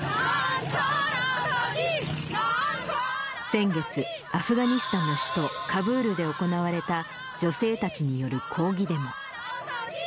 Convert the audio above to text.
先月、アフガニスタンの首都カブールで行われた、女性たちによる抗議デモ。